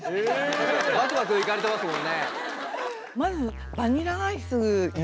ばくばくいかれてますもんね。